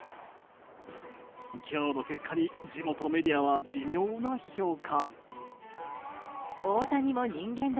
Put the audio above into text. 今日の結果に地元メディアは微妙な評価。